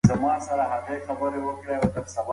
احساساتي خبرې ستونزې نه حل کوي.